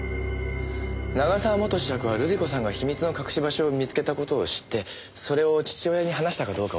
永沢元子爵は瑠璃子さんが秘密の隠し場所を見つけた事を知ってそれを父親に話したかどうかを確認した。